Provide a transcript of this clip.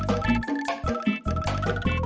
sobat berubah nanas besar